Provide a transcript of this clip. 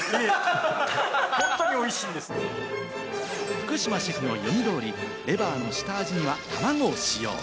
福島シェフの読み通り、レバーの下味には卵を使用。